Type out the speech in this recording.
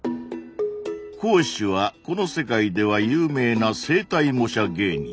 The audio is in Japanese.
講師はこの世界では有名な声帯模写芸人。